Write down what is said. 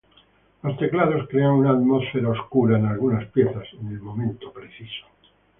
Los teclados crean una atmósfera oscura en algunas piezas en el momento preciso.